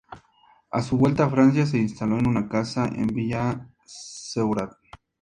A su vuelta a Francia se instaló en una casa en "Villa Seurat".